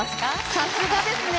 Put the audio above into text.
さすがですね。